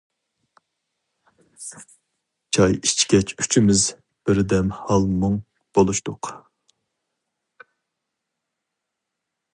چاي ئىچكەچ ئۈچىمىز بىردەم ھال-مۇڭ بولۇشتۇق.